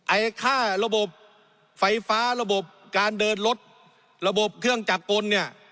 ไอ้ค่าระบบไฟฟ้าระบบการเดินรถระบบเครื่องจักรกลเนี่ย